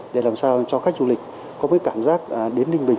để làm sao cho khách du lịch có cái cảm giác đến ninh bình